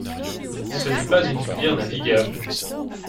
Ce n’est pas une rivière navigable.